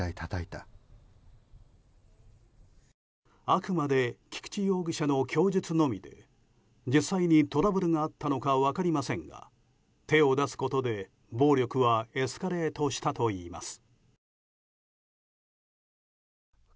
あくまで菊池容疑者の供述のみで実際にトラブルがあったのか分かりませんが手を出すことで、暴力はエスカレートしたといいます。